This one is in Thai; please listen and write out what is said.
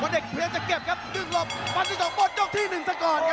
วันเด็กเพียงจะเก็บครับดึงลบฟันที่สองบนยกที่หนึ่งซะก่อนครับ